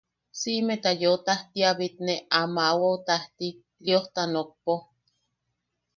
Siʼimeta yeu tajti a bitne a maʼawaʼu tajti, Liosta nokpo.